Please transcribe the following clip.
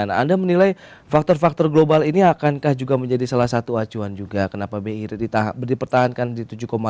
nah anda menilai faktor faktor global ini akankah juga menjadi salah satu acuan juga kenapa bi dipertahankan di tujuh satu